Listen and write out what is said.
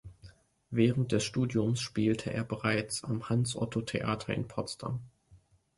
Während des Studiums spielte er bereits am Hans Otto Theater in Potsdam.